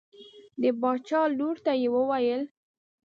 د باچا لور ته یې وویل.